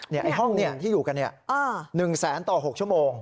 ไอ้ห้องที่อยู่กัน๑แสนต่อ๖ชั่วโมง